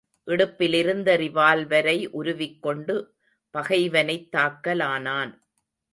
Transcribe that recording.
இடுப்பிலிருந்த ரிவால்வரை உருவிக்கொண்டு, பகைவனைத் தாக்கலானான்.